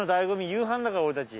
夕飯だから俺たち。